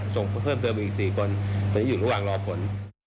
ส่งเพิ่มเติมไปอีก๔คนตอนนี้อยู่ระหว่างรอผล